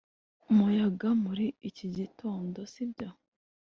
umuyaga muri iki gitondo, sibyo